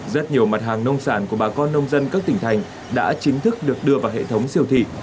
rất nhiều mặt hàng nông sản của bà con nông dân các tỉnh thành đã chính thức được đưa vào hệ thống siêu thị